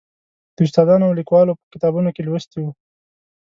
د استادانو او لیکوالو په کتابونو کې لوستی و.